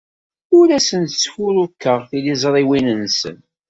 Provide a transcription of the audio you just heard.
Ur asen-sfurukeɣ tiliẓriwin-nsen.